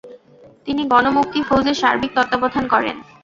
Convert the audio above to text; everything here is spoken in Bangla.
তিনি গণ মুক্তি ফৌজের সার্বিক তত্ত্বাবধান করেন।